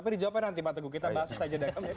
tapi dijawabkan nanti pak teguh kita bahas saja